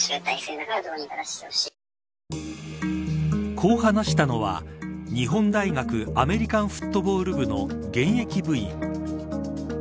こう話したのは日本大学アメリカンフットボール部の現役部員。